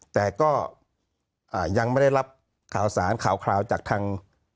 แต่ก็ยังไม่ได้รับข่าวสารข่าวจากทาง